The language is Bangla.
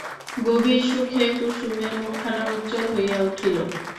গভীর সুখে কুসুমের মুখখানা উজ্জ্বল হইয়া উঠিল।